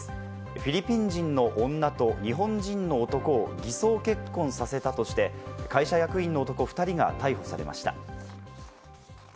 フィリピン人の女と日本人の男を偽装結婚させたとして、会社役員の男２人が逮捕されました。